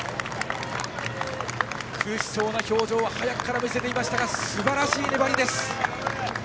苦しそうな表情を早くから見せていたがすばらしい粘りです。